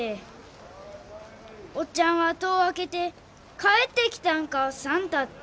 おっちゃんは戸を開けて「帰ってきたんか算太」って。